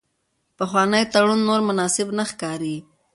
پخوانی تړون نور مناسب نه ښکاري.